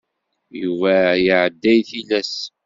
Yuba iɛedda i tlisa.